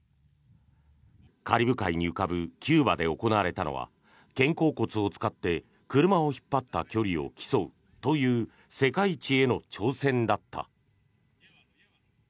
カリブ海に浮かぶキューバで行われたのは肩甲骨を使って車を引っ張った距離を競うという世界一への挑戦だった。